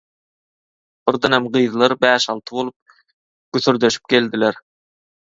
Birdenem gyzlar bäş-alty bolup güsärdeşip geldiler.